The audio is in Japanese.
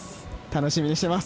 楽しみにしています。